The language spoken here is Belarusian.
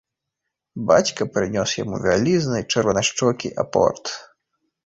Бацька прынёс яму вялізны чырванашчокі апорт.